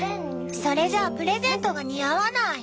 それじゃあプレゼントが似合わない。